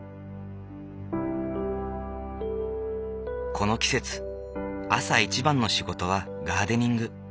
この季節朝一番の仕事はガーデニング。